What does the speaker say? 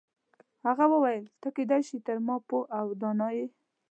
هغه وویل ته کیدای شي تر ما پوه او دانا یې.